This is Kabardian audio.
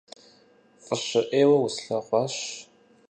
ФӀыщэ Ӏейуэ услъэгъуащ…